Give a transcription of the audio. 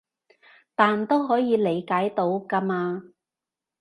但都可以理解到㗎嘛